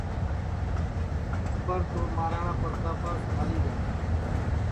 اکبر تو مہاراجا سینس ملاس ہاری گا